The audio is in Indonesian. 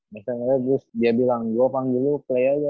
misalnya dia bilang gue panggil lu clay aja